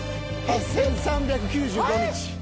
「８３９５日」。